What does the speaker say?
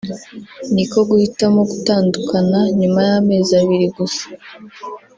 niko guhitamo gutandukana nyuma y’ amezi abiri gusa